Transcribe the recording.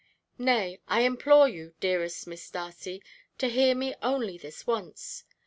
Nay, I implore you, dearest Miss Darcy, to hear me only this once.